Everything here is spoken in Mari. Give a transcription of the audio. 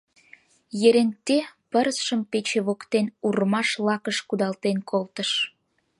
Еренте пырысшым пече воктен урмаш лакыш кудалтен колтыш.